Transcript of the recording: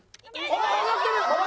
上がってる！